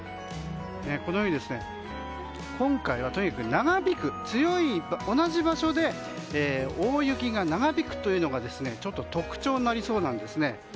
このように今回はとにかく長引く強く、同じ場所で大雪が長引くというのが特徴になりそうなんです。